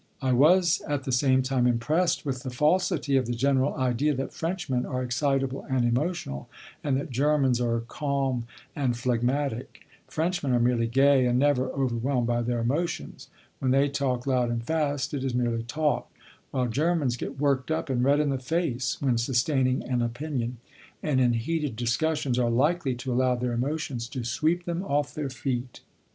I was at the same time impressed with the falsity of the general idea that Frenchmen are excitable and emotional, and that Germans are calm and phlegmatic. Frenchmen are merely gay and never overwhelmed by their emotions. When they talk loud and fast, it is merely talk, while Germans get worked up and red in the face when sustaining an opinion, and in heated discussions are likely to allow their emotions to sweep them off their feet.